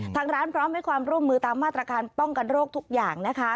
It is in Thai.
ทางร้านพร้อมให้ความร่วมมือตามมาตรการป้องกันโรคทุกอย่างนะคะ